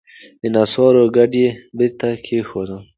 د نسوارو کډه یې بېرته کښېناوه.